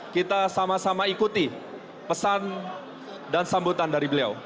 kita sama sama ikuti pesan dan sambutan dari beliau